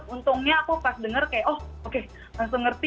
untungnya aku pas denger kayak oh oke langsung ngerti